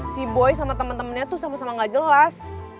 si boy sama temen temennya tuh sama sama gak jelas